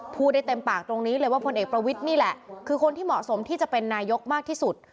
พูดได้เต็มปากตรงนี้เลยว่าพลเอกประวิทย์นี่แหละคือคนที่เหมาะสมที่จะเป็นนายกมากที่สุด